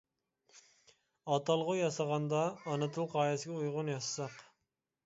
ئاتالغۇ ياسىغاندا ئانا تىل قائىدىسىگە ئۇيغۇن ياسىساق.